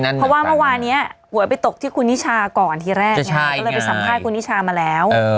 เพราะว่าเมื่อวานี้หวยไปตกที่คุณนิชาก่อนทีแรกไงก็เลยไปสัมภาษณ์คุณนิชามาแล้ว